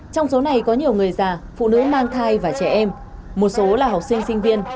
trong số này có nhiều người già phụ nữ mang thai và trẻ em một số là học sinh sinh viên